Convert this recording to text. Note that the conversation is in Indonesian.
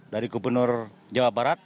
dari gubernur jawa barat